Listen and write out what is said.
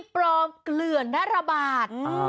ปลอเกลือหน้าระบาท